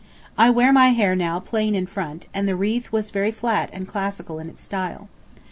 I wear my hair now plain in front, and the wreath was very flat and classical in its style.